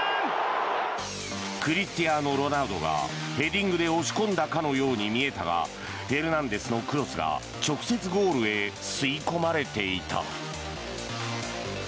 クリスティアーノ・ロナウドがヘディングで押し込んだかのように見えたがフェルナンデスのクロスが直接ゴールへ吸い込まれていた。